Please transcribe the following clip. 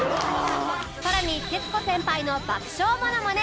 さらに徹子先輩の爆笑モノマネ